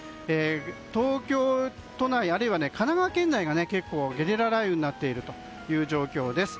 東京都内、あるいは神奈川県内がゲリラ雷雨になっている状況です。